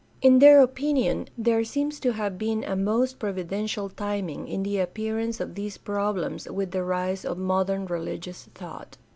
In their opinion there seems to have been a most providential timing of the appearance of these problems with the rise of modern religious thought.